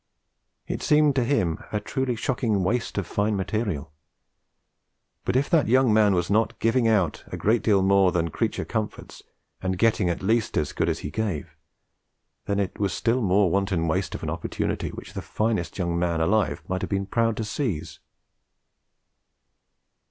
It seemed to him a truly shocking waste of fine material; but if that young man was not giving out a great deal more than creature comforts, and getting at least as good as he gave, then it was a still more wanton waste of an opportunity which the finest young man alive might have been proud to seize.